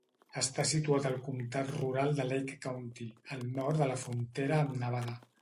Està situat al comtat rural de Lake County, al nord de la frontera amb Nevada.